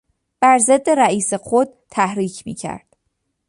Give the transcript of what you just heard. بر ضد رئیس خود تحریک میکرد.